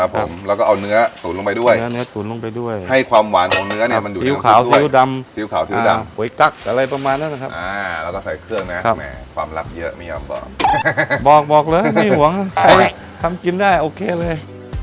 บอกเลยไม่หวังทำกินได้โอเคเลย